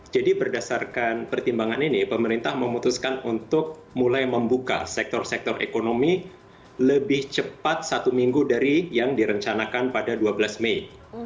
jadi berdasarkan pertimbangan ini pemerintah memutuskan untuk mulai membuka sektor sektor ekonomi lebih cepat satu minggu dari yang direncanakan pada dua belas mei